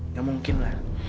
nggak mungkin lah